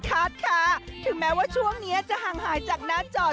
ผัวไปเถินเอาผัวไปเถินเอาผัวไปเถินเอาผัวไปเถิน